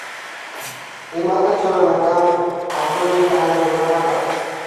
Imata churana kan Antonio Tantata rurankapa.